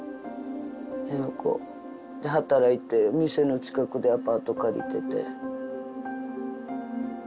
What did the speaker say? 辺野古で働いて店の近くでアパート借りてて。